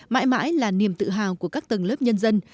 mãi mãi là niềm tự hào của các tầng lớp nhân dân